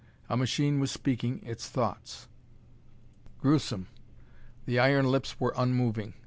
A machine was speaking its thoughts! Gruesome! The iron lips were unmoving.